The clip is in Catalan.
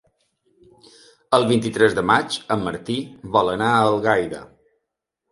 El vint-i-tres de maig en Martí vol anar a Algaida.